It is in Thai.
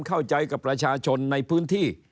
เข้าใจกับประชาชนในพื้นที่